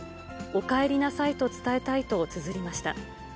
おかえりなさいと伝えたいとつづりました。